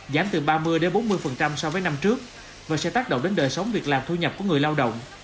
giảm từ ba mươi bốn mươi so với năm trước và sẽ tác động đến đời sống việc làm thu nhập của người lao động